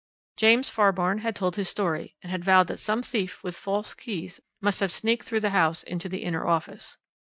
James Fairbairn had told his story, and had vowed that some thief with false keys must have sneaked through the house into the inner office.